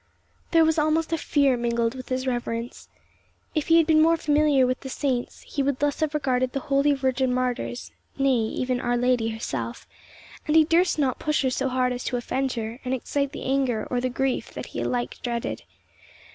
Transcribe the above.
There was almost a fear mingled with his reverence. If he had been more familiar with the saints, he would thus have regarded the holy virgin martyrs, nay, even Our Lady herself; and he durst not push her so hard as to offend her, and excite the anger or the grief that he alike dreaded.